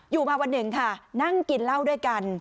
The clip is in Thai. อยู่มาวันหนึ่งค่ะนั่งกินเหล้าด้วยกัน